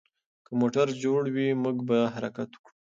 که موټر جوړ وي، موږ به حرکت وکړو.